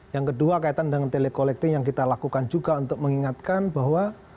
yang kedua kaitan dengan telekolekti yang kita lakukan juga untuk mengingatkan bahwa